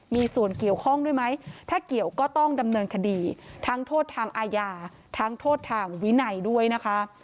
มีส่วนเกี่ยวข้องด้วยไหมถ้าเกี่ยวก็ต้องดำเนินคดีทั้งโทษทางอาญาทั้งโทษทางวินัยด้วยนะคะ